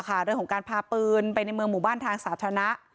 เรื่องของการพาปืนไปในเมืองหมู่บ้านทางสาธารณะ